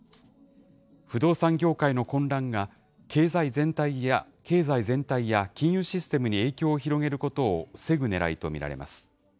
不動産業界の混乱が、経済全体や金融システムに影響を広げることを防ぐねらいと見られます。